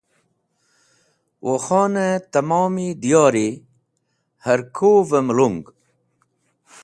Wukhonẽ tẽmom diyori hẽrkuvẽ melung.